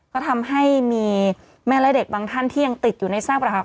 ก็ทำให้มีแม่และเด็กบางท่านที่ยังติดอยู่ในซากประหัก